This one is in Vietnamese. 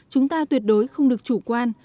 chúng ta tuyệt đối không được chủ quan